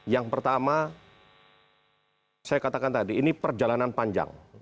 yang pertama saya katakan tadi ini perjalanan panjang